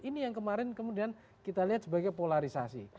ini yang kemarin kemudian kita lihat sebagai polarisasi